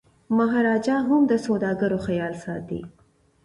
مهاراجا هم د سوداګرو خیال ساتي.